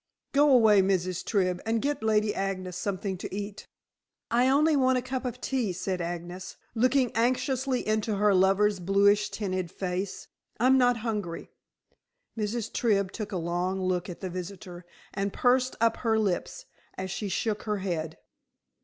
"Go away, Mrs. Tribb, and get Lady Agnes something to eat." "I only want a cup of tea," said Agnes, looking anxiously into her lover's bluish tinted face. "I'm not hungry." Mrs. Tribb took a long look at the visitor and pursed up her lips, as she shook her head.